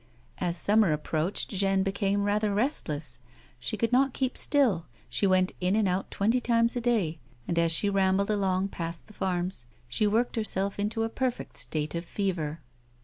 As summer approached Jeanne became very restless. She could not keep still; she went in and out twenty times a day, and, as she ram bled along past the farms, she worked herself into a perfect state of fever.